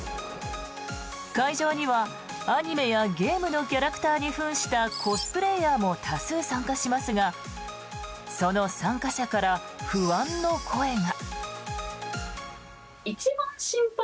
会場にはアニメやゲームのキャラクターに扮したコスプレーヤーも多数参加しますがその参加者から不安の声が。